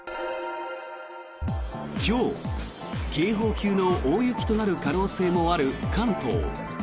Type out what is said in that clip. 今日、警報級の大雪となる可能性もある関東。